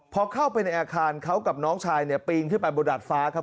พอเข้าไปในอาคารเขากับน้องชายเนี่ยปีนขึ้นไปบนดาดฟ้าครับ